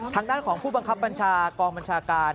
ทางด้านของผู้บังคับบัญชากองบัญชาการ